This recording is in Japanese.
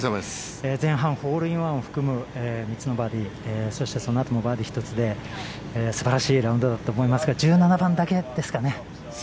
前半、ホールインワンを含む３つのバーディー、そしてそのあともバーディー１つで素晴らしいラウンドだったと思いますけど１７番だけですかね。